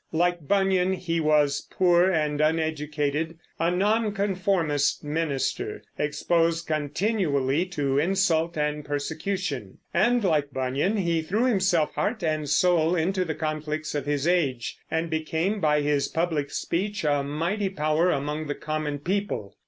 Like Bunyan, he was poor and uneducated, a nonconformist minister, exposed continually to insult and persecution; and, like Bunyan, he threw himself heart and soul into the conflicts of his age, and became by his public speech a mighty power among the common people.